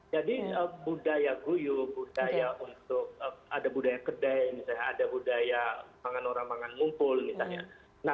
jadi budaya guyup budaya untuk ada budaya kedai ada budaya pangan orang orang mumpul misalnya